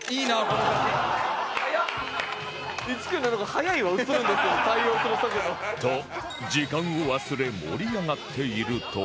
と時間を忘れ盛り上がっていると